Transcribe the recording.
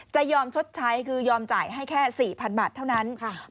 จะยอมชดใช้คือยอมจ่ายให้แค่๔๐๐๐บาทเท่านั้น